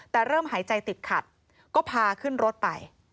แต่เริ่มหายใจติดขัดก็พาขึ้นรถไป